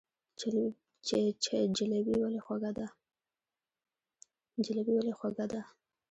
جلبي ولې خوږه ده؟